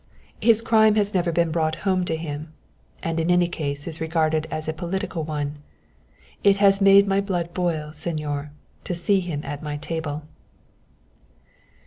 His crime has never been brought home to him, and in any case is regarded as a political one. It has made my blood boil, señor, to see him at my table."